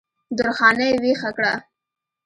درخانۍ ویښه کړه